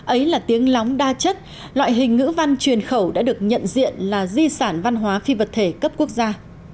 ấy là tiếng lóng đa chất loại hình ngữ văn truyền khẩu đã được nhận diện là di sản văn hóa phi vật thể cấp quốc gia